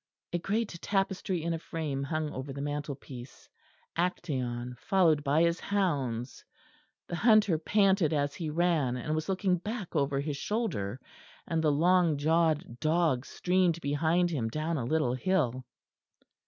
A great tapestry in a frame hung over the mantelpiece, Actæon followed by his hounds; the hunter panted as he ran, and was looking back over his shoulder; and the long jawed dogs streamed behind him down a little hill.